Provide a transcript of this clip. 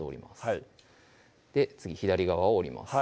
はい次左側を折ります